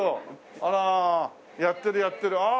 あらやってるやってる。